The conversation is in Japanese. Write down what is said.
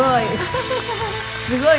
すごい！